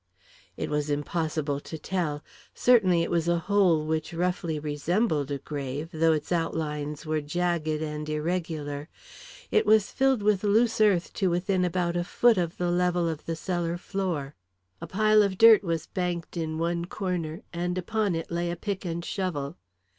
It was impossible to tell. Certainly it was a hole which roughly resembled a grave, though its outlines were jagged and irregular. It was filled with loose earth to within about a foot of the level of the cellar floor. A pile of dirt was banked in one corner, and upon it lay a pick and shovel.